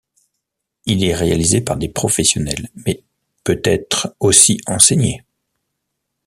Il est réalisé par des professionnels mais peut être aussi enseigné.